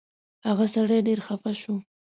هغه سړی ډېر خفه شو.